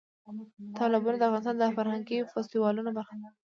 تالابونه د افغانستان د فرهنګي فستیوالونو برخه ده.